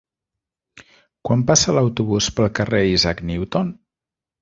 Quan passa l'autobús pel carrer Isaac Newton?